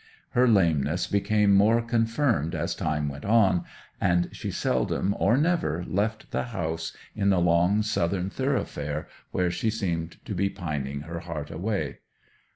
Her lameness became more confirmed as time went on, and she seldom or never left the house in the long southern thoroughfare, where she seemed to be pining her heart away.